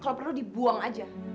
kalau perlu dibuang aja